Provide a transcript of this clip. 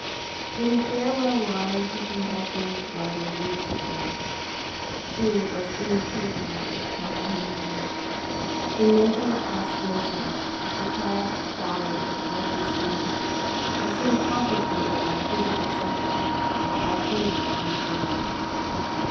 When the farewell lines of her husband's writing reached her she was incapable of comprehending them. The mental prostration which had followed the parting scene was soon complicated by physical suffering by fever on the brain.